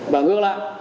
và ngược lại